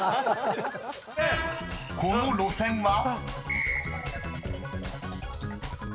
［この路線は？］